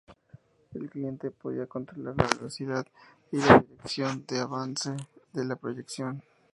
El cliente podía controlar la velocidad y la dirección de avance de la proyección.